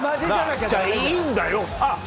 いいんだよ。